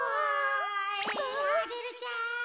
おいアゲルちゃん。